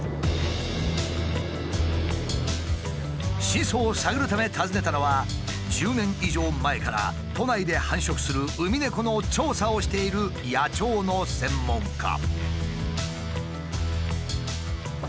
真相を探るため訪ねたのは１０年以上前から都内で繁殖するウミネコの調査をしている野鳥の専門家。